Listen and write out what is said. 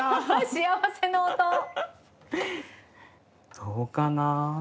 幸せな音！どうかな？